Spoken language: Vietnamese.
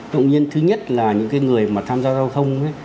động nhiên thứ nhất là những cái người mà tham gia giao thông